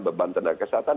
beban tenaga kesehatan